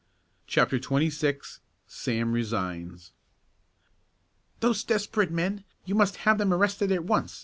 CHAPTER XXVI SAM RESIGNS "Those desperate men! You must have them arrested at once!"